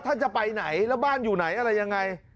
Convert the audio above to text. จะไปไหนแล้วบ้านอยู่ไหนอะไรยังไง